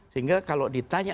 sehingga kalau ditanya